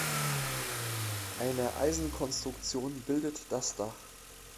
Eine Eisenkonstruktion bildet das Dach.